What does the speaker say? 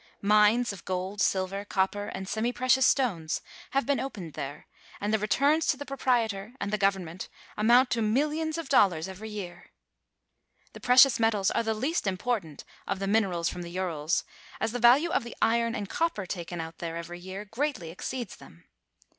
Mines of gold, silver, copper and semi precious stones, have been opened there, and the returns to the proprietor and the government amount to millions of dollars every year. The precious metals are the least important of the minerals from the Urals, as the value of the iron and copper taken out there every year greatly exceeds them.